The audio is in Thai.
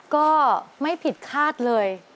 ก็ไม่ผิดคาดเลย